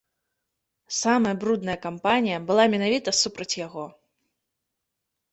Самая брудная кампанія была менавіта супраць яго.